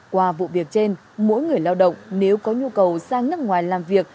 qua vụ việc trên mỗi người lao động nếu có nhu cầu sang nước ngoài làm việc